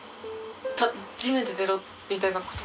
地面で寝ろみたいなこと？